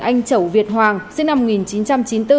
anh chẩu việt hoàng sinh năm một nghìn chín trăm chín mươi bốn